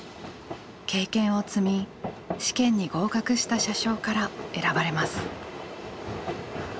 経験を積み試験に合格した車掌から選ばれます。